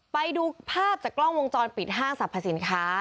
ไปดูภาพจากกล้องวงจรปิดห้างสรรพสินค้า